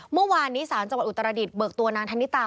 เมื่อวานนี้ศาลจังหวัดอุตรดิษฐเบิกตัวนางธนิตา